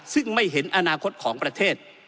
ซึ่งไม่เห็นอนาคตของประเทศ